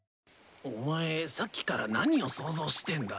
お前さっきから何を想像してんだ？